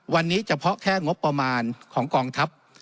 วันนี้เฉพาะแค่งบประมาณของกองทัพ